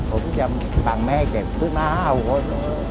ผมจะสั่งไม่ให้เก็บขึ้นมา๕คน